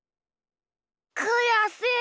くやしい。